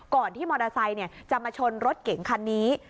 ก่อนที่มอเตอร์ไซค์จะมาชนรถเก๋งคันนี้